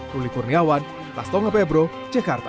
ruli kurniawan lastonga pebro jakarta